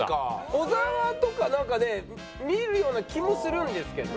小沢とかなんかね見るような気もするんですけどね。